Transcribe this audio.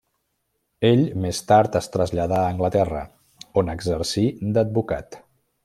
Ell més tard es traslladà a Anglaterra on exercí d'advocat.